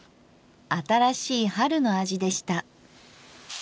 新しい春の味でした。